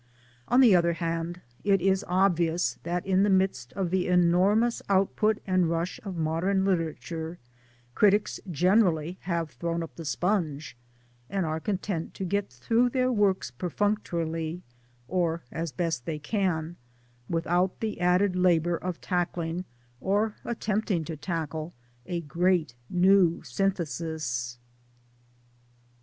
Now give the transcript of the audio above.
On the other hand it is obvious that in the midst of the enormous output and rush of modern literature, critics gener ally have thrown up the sponge, and are content to get through their work perfunctorily or as best they can, without the added labour of tackling, or attempting to tackle, a great new synthesis.